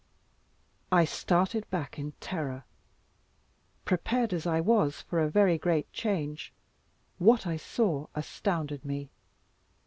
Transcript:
I started back in terror. Prepared as I was for a very great change, what I saw astounded me.